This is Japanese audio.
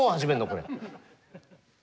これ。